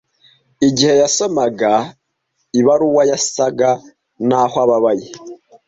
Igihe yasomaga ibaruwa, yasaga naho ababaye.